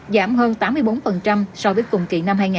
giảm hơn tám mươi bốn so với cùng kỳ năm hai nghìn hai mươi ba